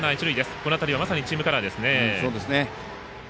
この辺りはまさにチームカラーですね。